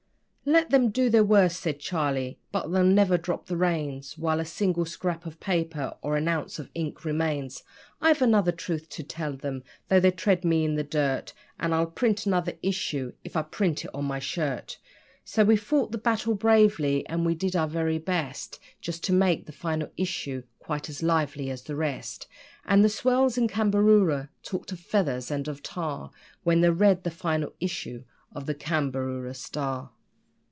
'Let them do their worst,' said Charlie, 'but I'll never drop the reins While a single scrap of paper or an ounce of ink remains: I've another truth to tell them, though they tread me in the dirt, And I'll print another issue if I print it on my shirt.' So we fought the battle bravely, and we did our very best Just to make the final issue quite as lively as the rest. And the swells in Cambaroora talked of feathers and of tar When they read the final issue of the CAMBAROORA STAR.